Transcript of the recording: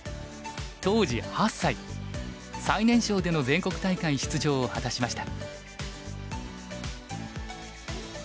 当時８歳最年少での全国大会出場を果たしました。